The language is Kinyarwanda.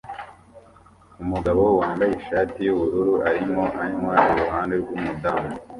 Umugabo wambaye ishati yubururu arimo anywa iruhande rwumudamu